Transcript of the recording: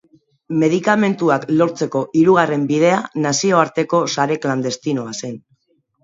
Medikamentuak lortzeko hirugarren bidea nazioarteko sare klandestinoa zen.